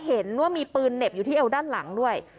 เห็นว่ามีปืนเหน็บอยู่ที่เอวด้านหลังด้วย